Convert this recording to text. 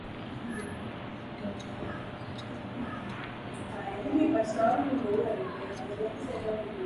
Jacob alipofika hotelini alikuta tayari wana taarifa za ujio wake akapewa funguo za mlango